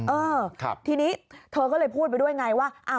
เออทีนี้เธอก็เลยพูดไปด้วยไงว่า